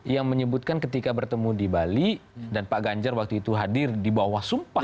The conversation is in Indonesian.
yang menyebutkan ketika bertemu di bali dan pak ganjar waktu itu hadir di bawah sumpah